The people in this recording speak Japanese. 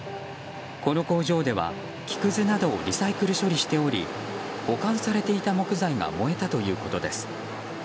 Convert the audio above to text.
この工場では木くずなどをリサイクル処理しており保管されていた木材が燃えたということです。